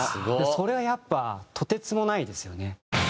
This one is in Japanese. それはやっぱとてつもないですよね。